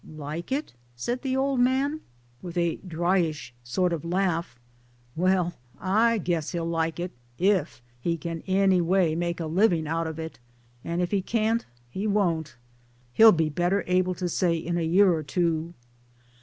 "Like it? 1 ' said the old man with 152 MY DAYS AND DREAMS a dryish sort of laugh" well, I guess he'll like it if he can any way make a living out of it and if he can't he won't ; he'll be better able to say in a year or two."